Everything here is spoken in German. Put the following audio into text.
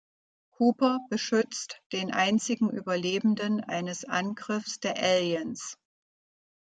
Cooper beschützt den einzigen Überlebenden eines Angriffs der Aliens.